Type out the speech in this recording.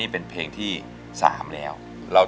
อินโทรเพลงที่๓มูลค่า๔๐๐๐๐บาทมาเลยครับ